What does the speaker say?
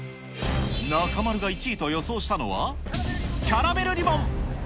中丸が１位と予想したのはキャラメルリボン。